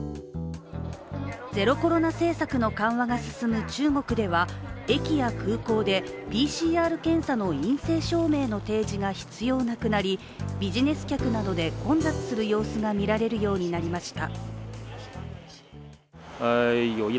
ゼロコロナ政策の緩和が進む中国では駅や空港でＰＣＲ検査の陰性証明の提出が必要なくなりビジネス客などで混雑する様子が見られるようになりました。